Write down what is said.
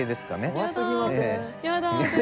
怖すぎません？